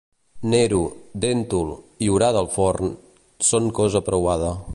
Nero, déntol i orada al forn, són cosa preuada.